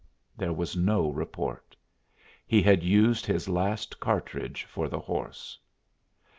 There was no report. He had used his last cartridge for the horse.